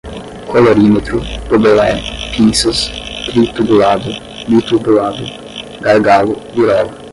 colorímetro, gobelé, pinças, tritubulado, bitubulado, gargalo, virola